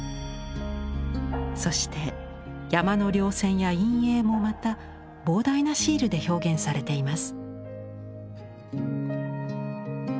そして山の稜線や陰影もまた膨大なシールで表現されています。